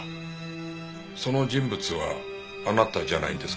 その人物はあなたじゃないんですか？